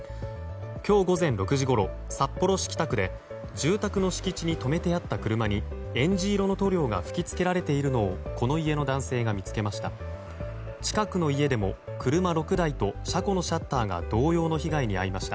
今日午前６時ごろ札幌市北区で住宅の敷地に止めてあった車にえんじ色の塗料が吹き付けられているのをこの家の男性が見つけました。